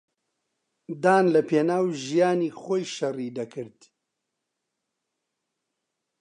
دان لەپێناو ژیانی خۆی شەڕی دەکرد.